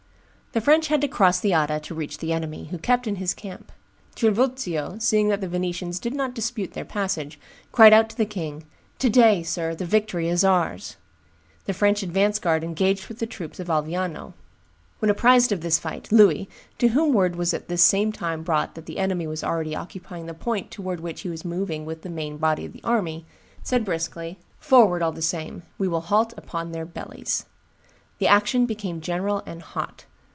The French had to cross the Adda to reach the enemy, who kept in his camp. Trivulzio, seeing that the Venetians did not dispute their passage, cried out to the king, "To day, sir, the victory is ours!" The French advance guard engaged with the troops of Alviano. When apprised of this fight, Louis, to whom word was at this same time brought that the enemy was already occupying the point towards which he was moving with the main body of the army, said briskly, "Forward, all the same; we will halt upon their bellies." The action became general and hot.